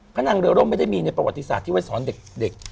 นางเรือร่มไม่ได้มีในประวัติศาสตร์ที่ไว้สอนเด็ก